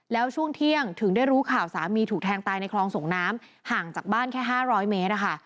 แล้วช่วงเที่ยงถึงได้รู้ข่าวสามีถูกแทงตายในคลองส่งน้ำห่างจากบ้านแค่๕๐๐เมตรนะคะ